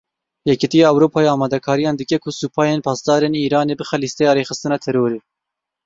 Yekîtiya Ewropayê amadekariyan dike ku Supayên Pasdaran ên Îranê bixe lîsteya rêxistina terorê.